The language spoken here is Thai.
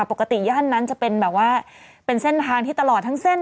ย่านนั้นจะเป็นแบบว่าเป็นเส้นทางที่ตลอดทั้งเส้น